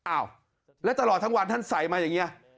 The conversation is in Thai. อ้าวแล้วตลอดทั้งวันท่านใส่มาอย่างนี้